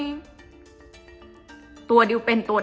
จนดิวไม่แน่ใจว่าความรักที่ดิวได้รักมันคืออะไร